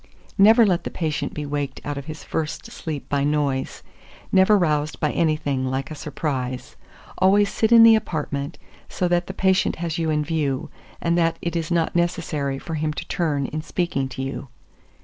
2424. Never let the patient be waked out of his first sleep by noise, never roused by anything like a surprise. Always sit in the apartment, so that the patient has you in view, and that it is not necessary for him to turn in speaking to you.